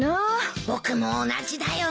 僕も同じだよ。